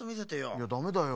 いやダメだよ。